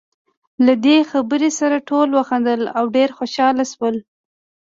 له دې خبرې سره ټولو وخندل، او ډېر خوشاله شول.